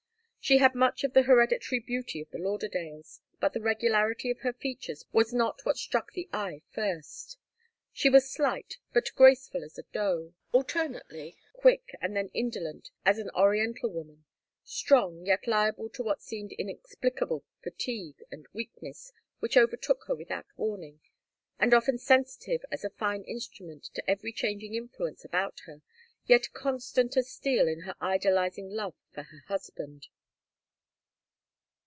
She had much of the hereditary beauty of the Lauderdales, but the regularity of her features was not what struck the eye first. She was slight, but graceful as a doe, alternately quick and then indolent as an Oriental woman, strong, yet liable to what seemed inexplicable fatigue and weakness which overtook her without warning, and often sensitive as a fine instrument to every changing influence about her, yet constant as steel in her idolizing love for her husband.